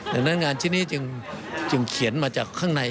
ดังนั้นงานชิ้นนี้จึงเขียนมาจากข้างใน